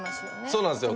そうなんですよ。